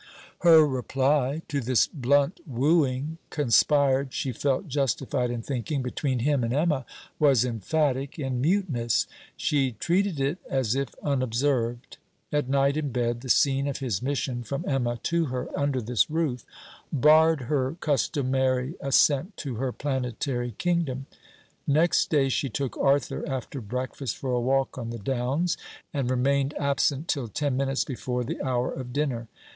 Her reply to this blunt wooing, conspired, she felt justifled in thinking, between him and Emma, was emphatic in muteness. She treated it as if unobserved. At night, in bed, the scene of his mission from Emma to her under this roof, barred her customary ascent to her planetary kingdom. Next day she took Arthur after breakfast for a walk on the Downs and remained absent till ten minutes before the hour of dinner.